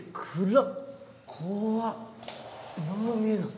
何も見えない。